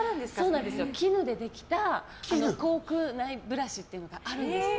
絹でできた口腔内ブラシっていうのがあるんです。